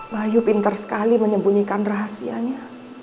bayu pinter sekali menyembunyikan rahasianya